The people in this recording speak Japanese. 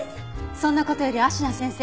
そんな事より芦名先生。